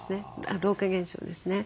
老化現象ですね。